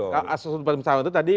kalau sudut pandang pesawat itu tadi